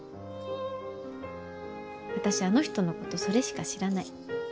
私あの人のことそれしか知らない。